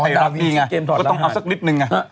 ท่านนับใดก็ต้องเอาสักนิดหนึ่ง